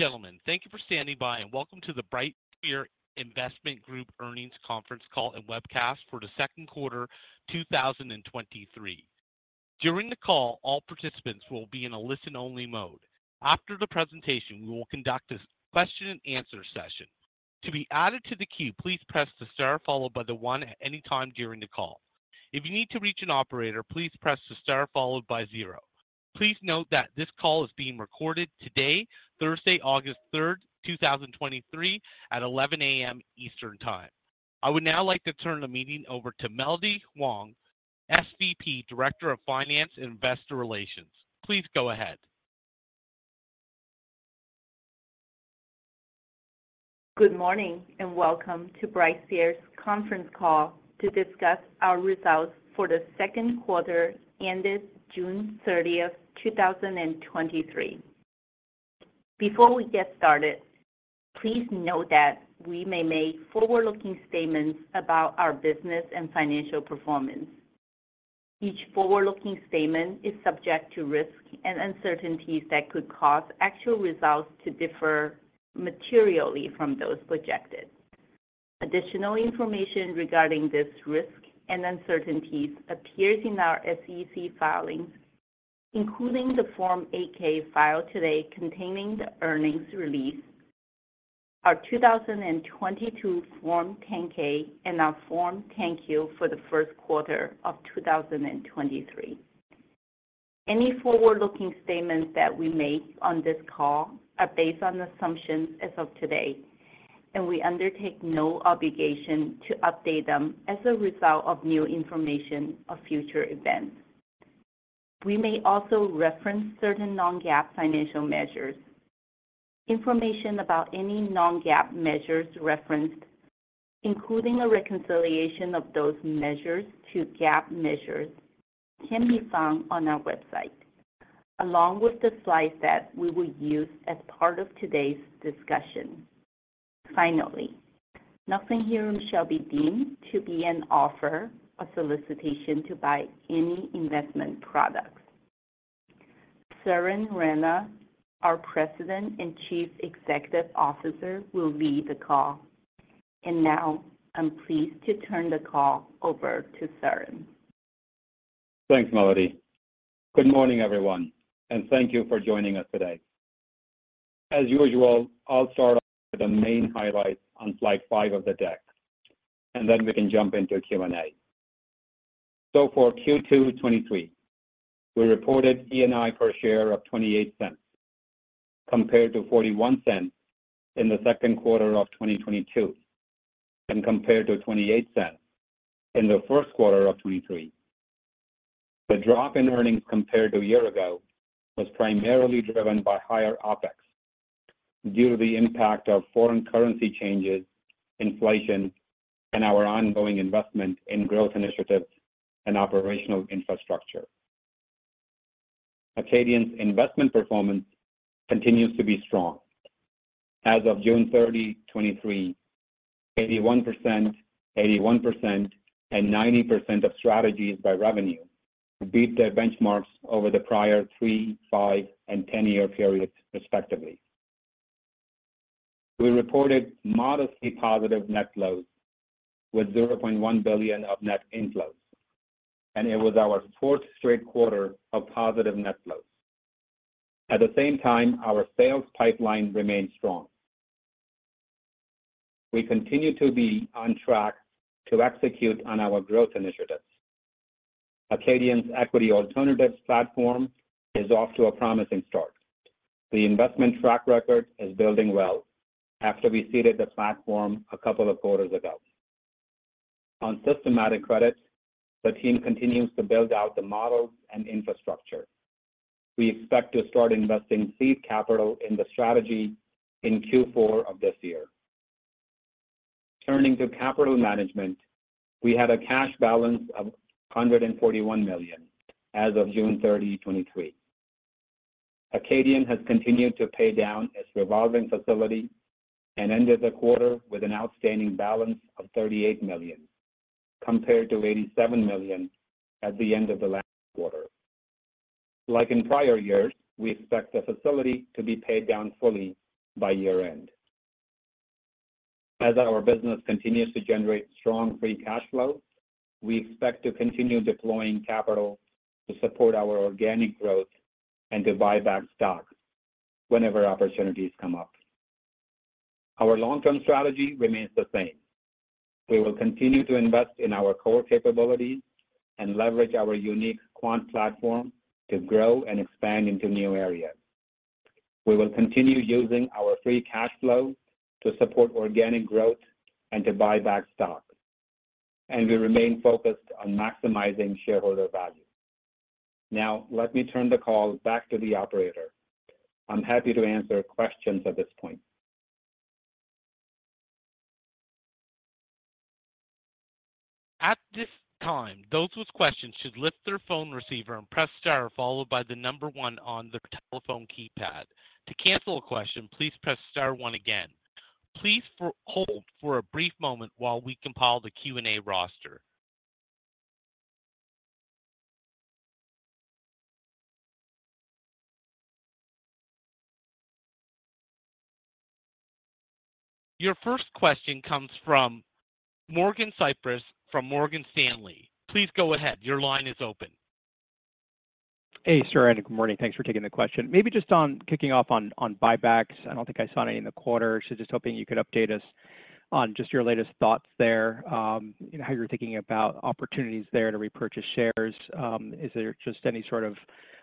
Ladies and gentlemen, thank you for standing by, and welcome to the BrightSphere Investment Group Earnings Conference Call and Webcast for the Q2, 2023. During the call, all participants will be in a listen-only mode. After the presentation, we will conduct a question-and-answer session. To be added to the queue, please press the star followed by one at any time during the call. If you need to reach an operator, please press the star followed by zero. Please note that this call is being recorded today, Thursday, August 3rd, 2023, at 11:00 A.M. Eastern Time. I would now like to turn the meeting over to Melody Huang, SVP, Director of Finance and Investor Relations. Please go ahead. Good morning, and welcome to BrightSphere's conference call to discuss our results for the Q2 ended June 30, 2023. Before we get started, please note that we may make forward-looking statements about our business and financial performance. Each forward-looking statement is subject to risks and uncertainties that could cause actual results to differ materially from those projected. Additional information regarding this risk and uncertainties appears in our SEC filings, including the Form 8-K filed today containing the earnings release, our 2022 Form 10-K, and our Form 10-Q for the Q1 of 2023. Any forward-looking statements that we make on this call are based on assumptions as of today, and we undertake no obligation to update them as a result of new information or future events. We may also reference certain non-GAAP financial measures. Information about any non-GAAP measures referenced, including a reconciliation of those measures to GAAP measures, can be found on our website, along with the slides that we will use as part of today's discussion. Finally, nothing herein shall be deemed to be an offer or solicitation to buy any investment products. Suren Rana, our President and Chief Executive Officer, will lead the call. Now, I'm pleased to turn the call over to Suren Rana. Thanks, Melody. Good morning, everyone, thank you for joining us today. As usual, I'll start off with the main highlights on slide 5 of the deck, then we can jump into Q&A. For Q2 2023, we reported ENI per share of $0.28, compared to $0.41 in the Q2 of 2022, compared to $0.28 in the Q1 of 2023. The drop in earnings compared to a year ago was primarily driven by higher OpEx due to the impact of foreign currency changes, inflation, and our ongoing investment in growth initiatives and operational infrastructure. Acadian's investment performance continues to be strong. As of June 30, 2023, 81%, 81%, and 90% of strategies by revenue beat their benchmarks over the prior three, five, and 10-year periods, respectively. We reported modestly positive net flows, with $0.1 billion of net inflows, and it was our fourth straight quarter of positive net flows. At the same time, our sales pipeline remains strong. We continue to be on track to execute on our growth initiatives. Acadian's equity alternatives platform is off to a promising start. The investment track record is building well after we seeded the platform a couple of quarters ago. On systematic credit, the team continues to build out the models and infrastructure. We expect to start investing seed capital in the strategy in Q4 of this year. Turning to capital management, we had a cash balance of $141 million as of June 30, 2023. Acadian has continued to pay down its revolving facility and ended the quarter with an outstanding balance of $38 million, compared to $87 million at the end of the last quarter. Like in prior years, we expect the facility to be paid down fully by year-end. As our business continues to generate strong free cash flow, we expect to continue deploying capital to support our organic growth and to buy back stock whenever opportunities come up. Our long-term strategy remains the same. We will continue to invest in our core capabilities and leverage our unique quant platform to grow and expand into new areas. We will continue using our free cash flow to support organic growth and to buy back stock, and we remain focused on maximizing shareholder value. Now, let me turn the call back to the operator. I'm happy to answer questions at this point. At this time, those with questions should lift their phone receiver and press star followed by the number one on their telephone keypad. To cancel a question, please press star one again. Please hold for a brief moment while we compile the Q&A roster. Your first question comes from Mike Cyprys from Morgan Stanley. Please go ahead. Your line is open. Hey, Suren, good morning. Thanks for taking the question. Maybe just on kicking off on, on buybacks. I don't think I saw any in the quarter, so just hoping you could update us on just your latest thoughts there, you know, how you're thinking about opportunities there to repurchase shares. Is there just any sort of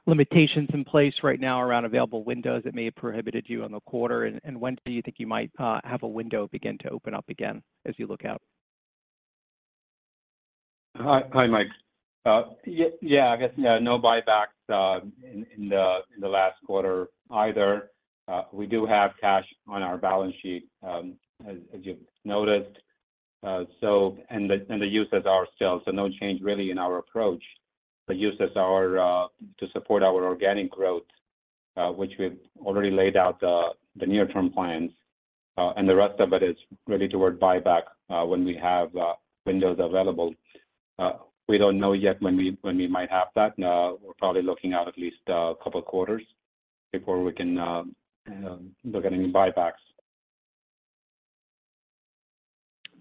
limitations in place right now around available windows that may have prohibited you in the quarter? When do you think you might have a window begin to open up again as you look out? Hi, Mike. yeah, I guess, yeah, no buybacks in the last quarter either. We do have cash on our balance sheet, as you've noticed. The uses are still, so no change really in our approach. The uses are to support our organic growth, which we've already laid out the near-term plans, and the rest of it is really toward buyback, when we have windows available. We don't know yet when we might have that. We're probably looking out at least a couple quarters before we can look at any buybacks.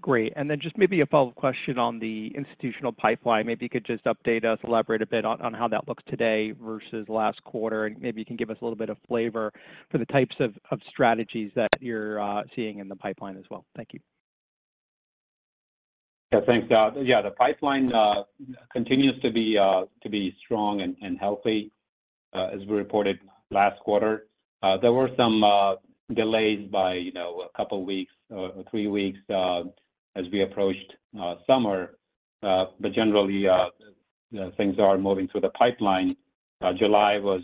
Great. Then just maybe a follow-up question on the institutional pipeline. Maybe you could just update us, elaborate a bit on, on how that looks today versus last quarter, and maybe you can give us a little bit of flavor for the types of, of strategies that you're seeing in the pipeline as well. Thank you. Yeah, thanks. Yeah, the pipeline continues to be strong and healthy. As we reported last quarter, there were some delays by, you know, a couple of weeks or three weeks, as we approached summer. Generally, things are moving through the pipeline. July was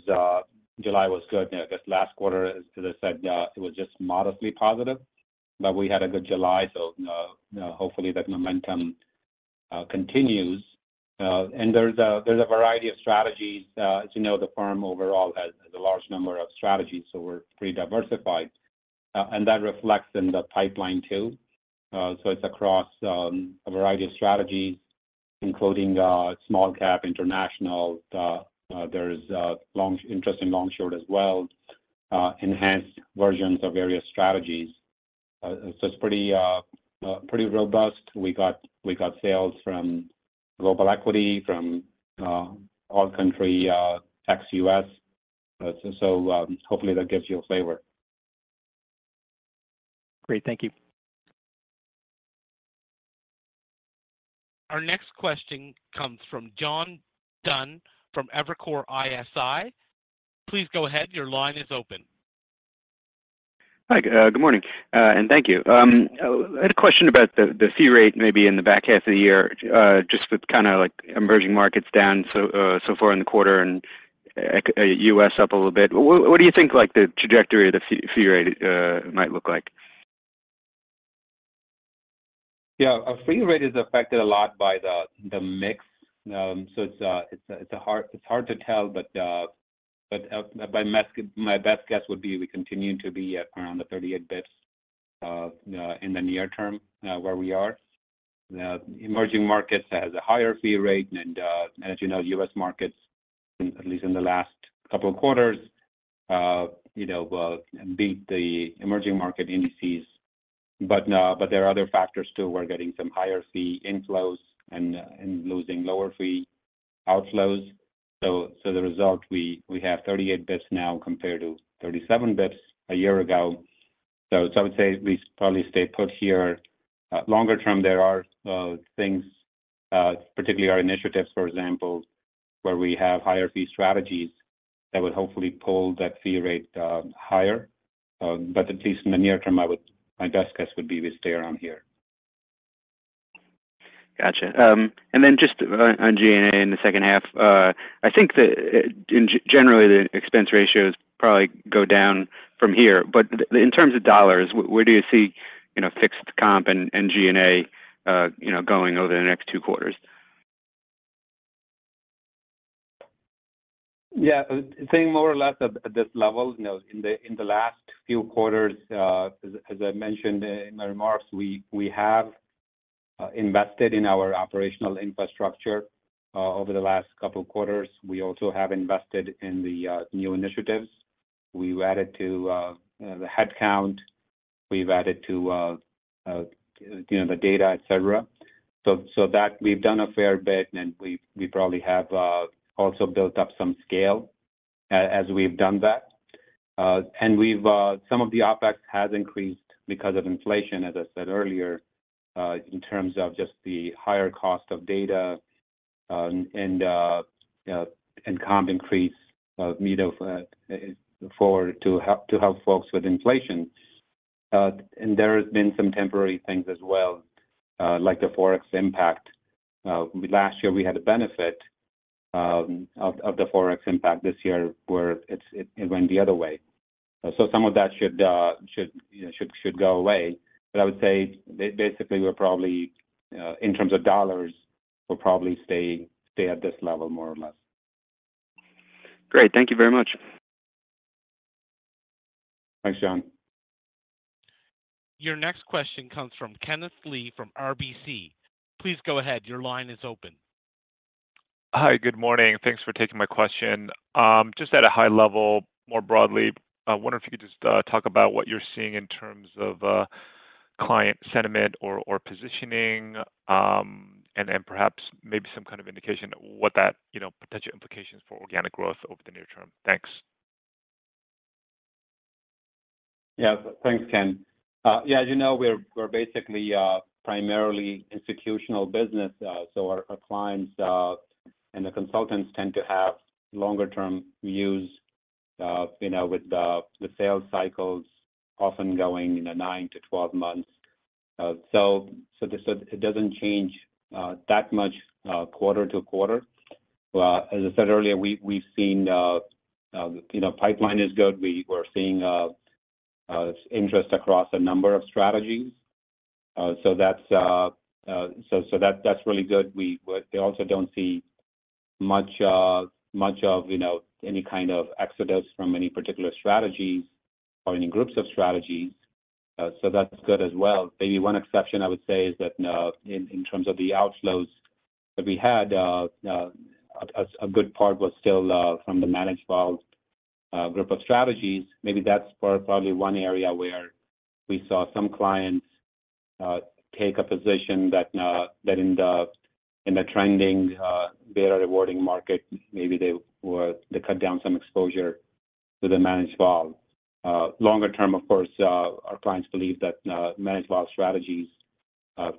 good. I guess last quarter, as I said, it was just modestly positive, but we had a good July, so hopefully that momentum continues. There's a, there's a variety of strategies. As you know, the firm overall has a large number of strategies, so we're pretty diversified, and that reflects in the pipeline, too. It's across a variety of strategies, including small cap, international. There's interest in long short as well, enhanced versions of various strategies. It's pretty robust. We got, we got sales from global equity, from all country, ex-US. So, hopefully that gives you a flavor. Great. Thank you. Our next question comes from John Dunn, from Evercore ISI. Please go ahead. Your line is open. Hi, good morning, and thank you. I had a question about the, the fee rate, maybe in the back half of the year, just with emerging markets down so far in the quarter and, U.S. up a little bit. What do you think, like, the trajectory of the fee rate, might look like? It is affected a lot by the mix. So it's hard, it's hard to tell, but my best guess would be we continue to be at around the 38 basis points in the near term, where we are. The emerging markets has a higher fee rate, and as you know, US markets, at least in the last couple of quarters, you know, beat the emerging market indices. But there are other factors, too. We're getting some higher fee inflows and losing lower fee outflows. So the result, we have 38 basis points now compared to 37 basis points a year ago. So I would say we probably stay put here. Longer term, there are things, particularly our initiatives, for example, where we have higher fee strategies that would hopefully pull that fee rate higher. At least in the near term, my best guess would be we stay around here. Then just on G&A in the H2, I think the, generally, the expense ratios probably go down from here, but in terms of dollars, where do you see, you know, fixed comp and G&A, you know, going over the next two quarters? Yeah. I would say more or less at this level. You know, in the last few quarters, as I mentioned in my remarks, we have invested in our operational infrastructure over the last couple of quarters. We also have invested in the new initiatives. We've added to the headcount, we've added to, you know, the data, et cetera. So that we've done a fair bit, and we've, we probably have also built up some scale as we've done that. We've, some of the OpEx has increased because of inflation, as I said earlier, in terms of just the higher cost of data, and comp increase, you know, for to help folks with inflation. There has been some temporary things as well, like the forex impact. Last year, we had a benefit of the forex impact. This year, where it's, it, it went the other way. Some of that should, you know, go away. I would say, basically, we're probably in terms of dollars, we're probably stay at this level, more or less. Great. Thank you very much. Thanks, John. Your next question comes from Kenneth Lee from RBC. Please go ahead. Your line is open. Hi, good morning. Thanks for taking my question. Just at a high level, more broadly, I wonder if you could just talk about what you're seeing in terms of client sentiment or, or positioning, and then perhaps maybe some kind of indication what that, you know, potential implications for organic growth over the near term. Thanks. Yeah. Thanks, Ken. Yeah, we're basically primarily institutional business. Our clients and the consultants tend to have longer term views, you know, with the, the sales cycles often going, you know, nine to 12 months. So, this, it doesn't change that much quarter to quarter. As I said earlier, we, we've seen, you know, pipeline is good. We're seeing interest across a number of strategies. That's, so, so that's, that's really good. We, we also don't see much, much of, you know, any kind of exodus from any particular strategies or any groups of strategies. That's good as well. Maybe one exception, I would say, is that in terms of the outflows that we had, a good part was still from the managed vol group of strategies. Maybe that's probably one area where we saw some clients take a position that in the trending, better rewarding market, maybe they cut down some exposure to the managed vol. Longer term, of course, our clients believe that managed vol strategies,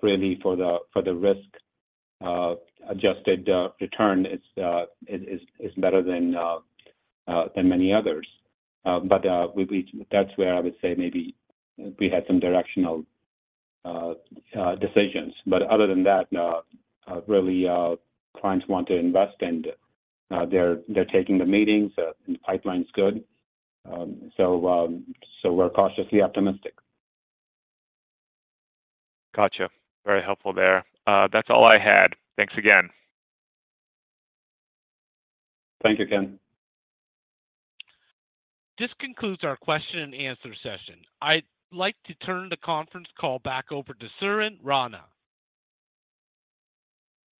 really for the risk-adjusted return, it is better than many others. We, we that's where I would say maybe we had some directional decisions. Other than that, really, clients want to invest, and they're, they're taking the meetings, and the pipeline's good. We're cautiously optimistic. Very helpful there. That's all I had. Thanks again. Thank you, Ken. This concludes our question and answer session. I'd like to turn the conference call back over to Suren Rana.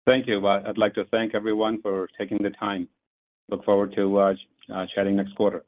Thank you. Well, I'd like to thank everyone for taking the time. Look forward to chatting next quarter.